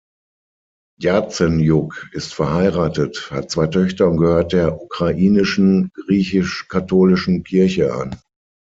Jazenjuk ist verheiratet, hat zwei Töchter und gehört der Ukrainischen Griechisch-Katholischen Kirche an.